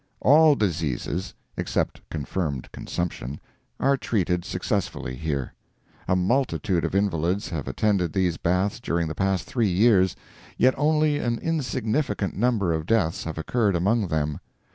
All diseases (except confirmed consumption,) are treated successfully here. A multitude of invalids have attended these baths during the past three years, yet only an insignificant number of deaths have occurred among them.